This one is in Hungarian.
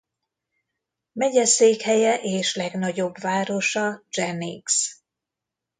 Megyeszékhelye és legnagyobb városa Jennings.